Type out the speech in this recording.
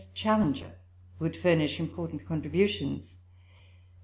Challenger would furnish important contributions.